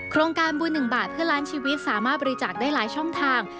โครงการบุญ๑บาทเพื่อล้านชีวิตสามารถบริจาคได้หลายช่องทาง